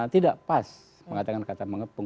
tidak pas mengatakan kata mengepung